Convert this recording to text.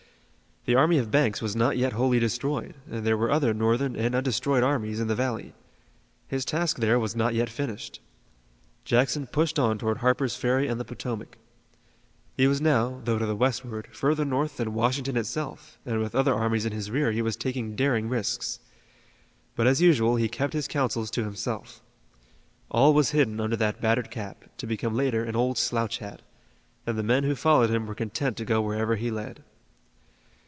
The army of Banks was not yet wholly destroyed, and there were other Northern and undestroyed armies in the valley. His task there was not yet finished. Jackson pushed on toward Harper's Ferry on the Potomac. He was now, though to the westward, further north than Washington itself, and with other armies in his rear he was taking daring risks. But as usual, he kept his counsels to himself. All was hidden under that battered cap to become later an old slouch hat, and the men who followed him were content to go wherever he led.